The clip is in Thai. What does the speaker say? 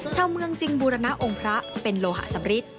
ชาวเมืองจึงบูรณะองค์พระเป็นโลหะสำริท